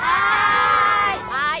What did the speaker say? はい。